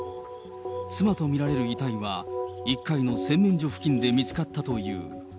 妻と見られる遺体は、１階の洗面所付近で見つかったという。